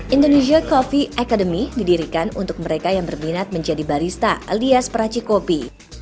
indonesia coffee academy didirikan untuk mereka yang berminat menjadi barista alias peracik kopi